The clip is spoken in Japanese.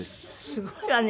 すごいわね。